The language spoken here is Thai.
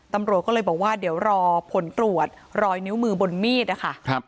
ตำรวจก็เลยบอกว่าเดี๋ยวรอผลตรวจรอยนิ้วมือบนมีดนะคะ